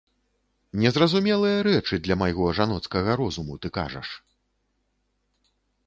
Незразумелыя рэчы для майго жаноцкага розуму ты кажаш.